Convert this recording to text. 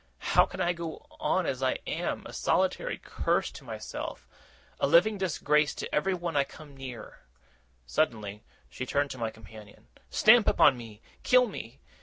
'How can I go on as I am, a solitary curse to myself, a living disgrace to everyone I come near!' Suddenly she turned to my companion. 'Stamp upon me, kill me!